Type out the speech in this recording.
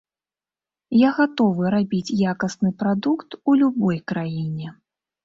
Я гатовы рабіць якасны прадукт у любой краіне.